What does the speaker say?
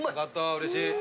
うれしい！